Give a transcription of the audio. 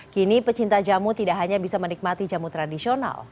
kini pecinta jamu tidak hanya bisa menikmati jamu tradisional